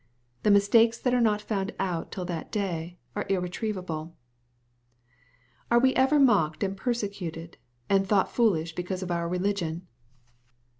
The mistakes that are not found out till that day are irretrievable. Are we ever mocked and persecuted and thought foolish because of our religion